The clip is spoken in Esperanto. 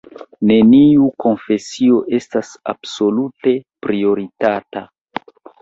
Neniu konfesio estas absolute prioritata.